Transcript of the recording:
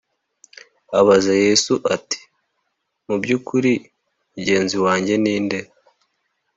Abaza yesu ati mu by ukuri mugenzi wanjye ni nde